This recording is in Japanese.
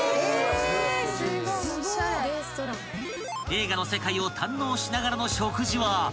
［映画の世界を堪能しながらの食事は格別］